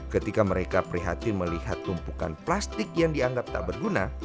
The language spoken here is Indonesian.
ketika mereka prihatin melihat tumpukan plastik yang dianggap tak berguna